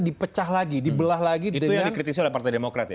dipecah lagi dibelah lagi dengan